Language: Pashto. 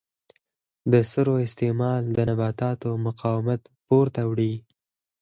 د سرو استعمال د نباتاتو مقاومت پورته وړي.